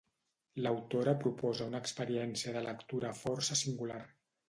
L'autora proposa una experiència de lectura força singular.